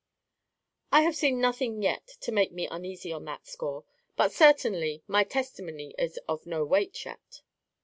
"I have seen nothing yet to make me uneasy on that score. But certainly my testimony is of no weight yet."